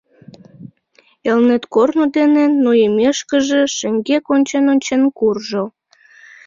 Элнет корно дене нойымешкыже, шеҥгек ончен-ончен, куржо...